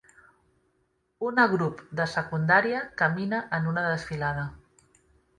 Una grup de secundària camina en una desfilada.